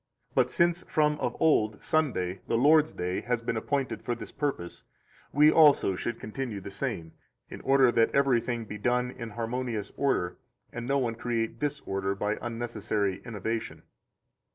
But since from of old Sunday [the Lord's Day] has been appointed for this purpose, we also should continue the same, in order that everything be done in harmonious order, and no one create disorder by unnecessary innovation.